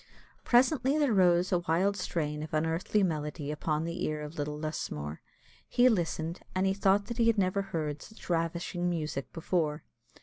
Presently there rose a wild strain of unearthly melody upon the ear of little Lusmore; he listened, and he thought that he had never heard such ravishing music before.